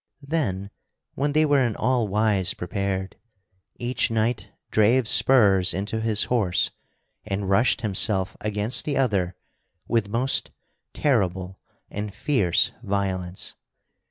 Then, when they were in all wise prepared, each knight drave spurs into his horse and rushed himself against the other with most terrible and fierce violence.